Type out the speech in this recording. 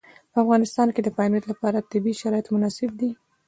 په افغانستان کې د پامیر لپاره طبیعي شرایط مناسب دي.